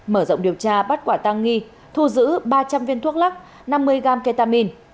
mở rộng điều tra bắt quả tăng nghi thu giữ ba trăm linh viên thuốc lắc năm mươi gram ketamin